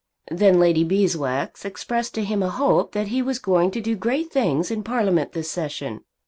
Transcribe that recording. Then Lady Beeswax expressed to him a hope that he was going to do great things in Parliament this Session.